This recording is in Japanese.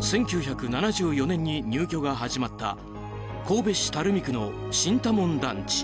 １９７４年に入居が始まった神戸市垂水区の新多聞団地。